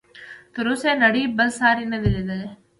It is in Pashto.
تر اوسه یې نړۍ بل ساری نه دی لیدلی.